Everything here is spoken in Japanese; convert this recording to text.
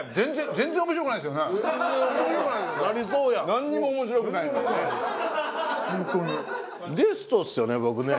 なんにも面白くないですよね。